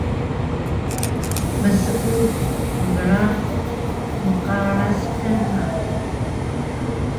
mseupu mgrahul mqaras kana